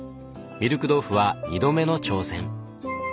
ミルク豆腐は２度目の挑戦。